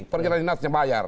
perjalanan dinasnya bayar